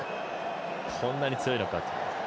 こんなに強いのかって。